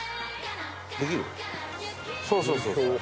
そうそうそうそう。